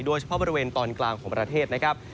โดยเฉพาะบริเวณตอนกลางของประเทศนะครับ